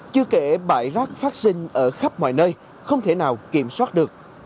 chưa kể bãi rác phát sinh ở khắp mọi nơi không thể nào kiểm soát được